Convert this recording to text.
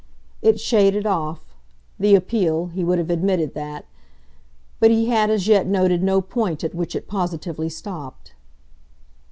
It shaded off, the appeal he would have admitted that; but he had as yet noted no point at which it positively stopped.